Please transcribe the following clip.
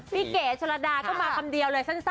เก๋ชนระดาก็มาคำเดียวเลยสั้น